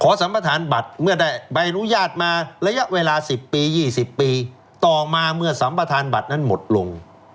สัมประธานบัตรเมื่อได้ใบอนุญาตมาระยะเวลา๑๐ปี๒๐ปีต่อมาเมื่อสัมประธานบัตรนั้นหมดลง